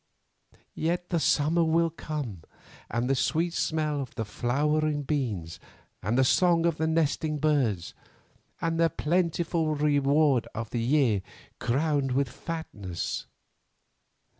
Yet the summer will come and the sweet smell of the flowering beans, and the song of the nesting birds, and the plentiful reward of the year crowned with fatness.